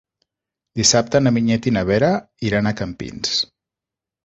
Dissabte na Vinyet i na Vera iran a Campins.